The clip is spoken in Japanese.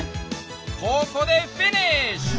ここでフィニッシュ！